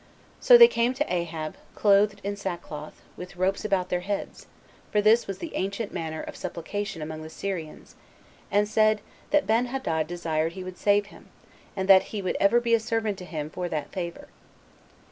So they came to Ahab, clothed in sackcloth, with ropes about their heads, (for this was the ancient manner of supplication among the Syrians,) 39 and said, that Benhadad desired he would save him, and that he would ever be a servant to him for that favor.